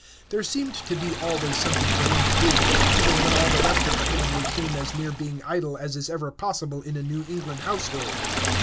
There seemed to be always something for him to do, even when all the rest of the family came as near being idle as is ever possible in a New England household.